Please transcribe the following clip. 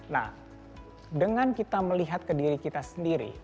nah dengan kita melihat ke diri kita sendiri